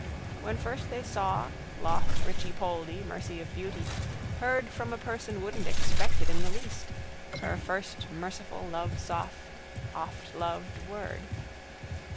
When first they saw, lost Richie Poldy, mercy of beauty, heard from a person wouldn't expect it in the least, her first merciful lovesoft oftloved word.